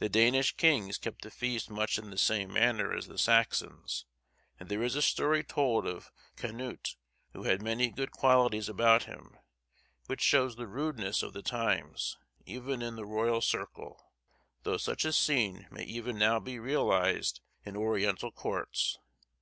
The Danish kings kept the feast much in the same manner as the Saxons; and there is a story told of Canute, who had many good qualities about him, which shows the rudeness of the times, even in the royal circle, though such a scene may even now be realized in Oriental courts.